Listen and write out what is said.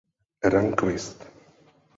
Rundqvist.